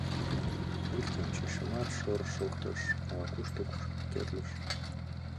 Иктым чийышымат, шор-р шоктыш, ала-кушто кушкедлыш.